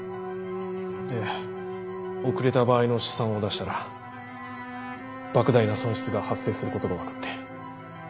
で遅れた場合の試算を出したら莫大な損失が発生することが分かって。